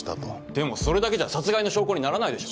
でもそれだけじゃ殺害の証拠にならないでしょ。